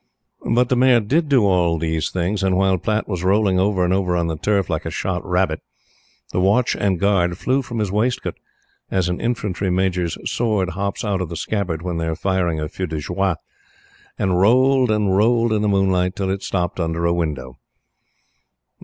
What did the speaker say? But the mare did all these things, and while Platte was rolling over and over on the turf, like a shot rabbit, the watch and guard flew from his waistcoat as an Infantry Major's sword hops out of the scabbard when they are firing a feu de joie and rolled and rolled in the moonlight, till it stopped under a window.